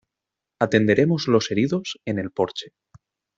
Atenderemos los heridos en el porche.